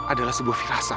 adalah sebuah firasat